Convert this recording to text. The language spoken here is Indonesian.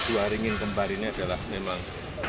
dua ringin kembar ini adalah memang